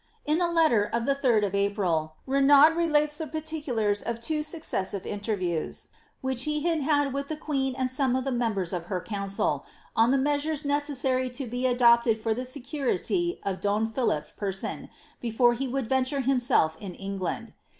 lo a letter, of the 3rd of April, Renaud relates the particulars of two •aceeaaive inlenriews, which he had had with the queen and some of die iiiembefB of her council, on the measures necessary to be adopted for the security of Don Philip^s person, before he would venture him mi[ in England.